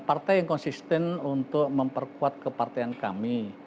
partai yang konsisten untuk memperkuat kepartean kami